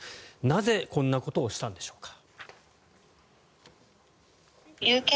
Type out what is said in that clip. なぜこんなことをしたんでしょうか。